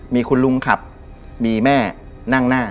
มีคุณลุงขับมีแม่นั่งหน้า